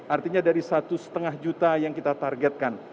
artinya dari satu lima juta yang kita targetkan